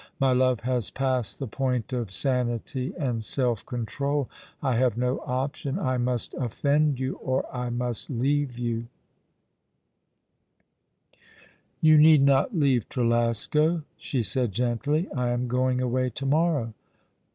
My love has passed the point of sanity and self control. I have no option. I must offend you, or I must leave you,'' " You need not leave Trelasco," she said gently. " I am going away to morrow."